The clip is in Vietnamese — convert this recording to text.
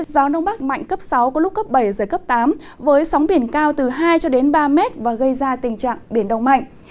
gió đông bắc mạnh cấp sáu có lúc cấp bảy giờ cấp tám với sóng biển cao từ hai ba m và gây ra tình trạng biển đông mạnh